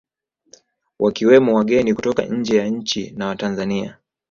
Wakiwemo wageni kutoka nje ya nchi na Watanzania